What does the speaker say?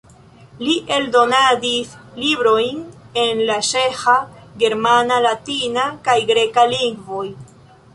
Li eldonadis librojn en la ĉeĥa, germana, latina kaj greka lingvoj.